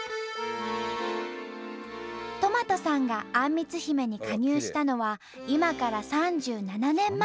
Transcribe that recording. とまとさんがあんみつ姫に加入したのは今から３７年前。